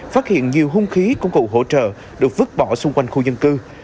phát hiện nhiều hung khí công cụ hỗ trợ được vứt bỏ xung quanh khu dân cư